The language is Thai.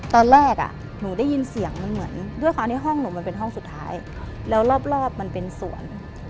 ตอนแรกอ่ะหนูได้ยินเสียงมันเหมือนด้วยความที่ห้องหนูมันเป็นห้องสุดท้ายแล้วรอบมันเป็นสวน